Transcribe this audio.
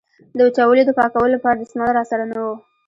د وچولې د پاکولو لپاره دستمال را سره نه و.